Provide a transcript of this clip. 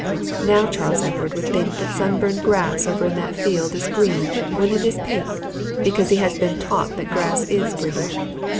Now Charles Edward would think that sunburned grass over in that field is green, when it is pink, because he has been taught that grass is green.